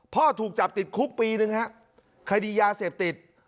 ถูกจับติดคุกปีนึงฮะคดียาเสพติด